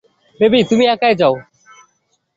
Baby, তুমি একাই যাও।